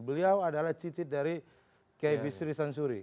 beliau adalah cicit dari kb sri sansuri